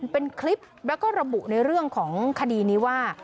เป็นคลิปแล้วก็ระบุในเรื่องของคดีนี้ว่า